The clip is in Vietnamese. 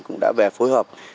cũng đã về phối hợp